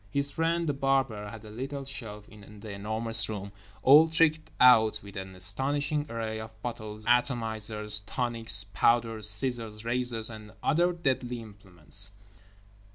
His friend, The Barber, had a little shelf in The Enormous Room, all tricked out with an astonishing array of bottles, atomizers, tonics, powders, scissors, razors and other deadly implements.